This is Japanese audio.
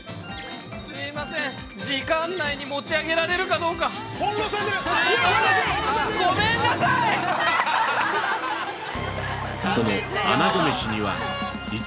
すみません、時間内に持ち上げられるかどうかごめんなさーい。